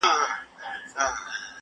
تا ښخ کړئ د سړو په خوا کي سپی دی,